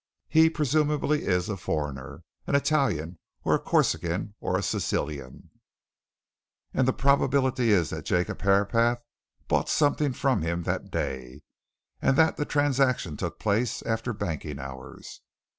He, presumably, is a foreigner, an Italian, or a Corsican, or a Sicilian, and the probability is that Jacob Herapath bought something from him that day, and that the transaction took place after banking hours."